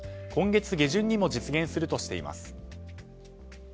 今月下旬にも実現するとしています。